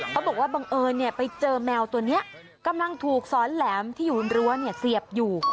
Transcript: เขาบอกว่าบังเอิญไปเจอแมวตัวนี้กำลังถูกซ้อนแหลมที่อยู่รั้วเสียบอยู่